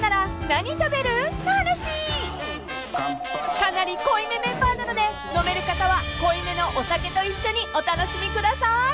［かなり濃いめメンバーなので飲める方は濃いめのお酒と一緒にお楽しみください］